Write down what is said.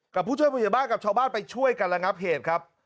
ผู้ช่วยผู้ใหญ่บ้านกับชาวบ้านไปช่วยกันระงับเหตุครับ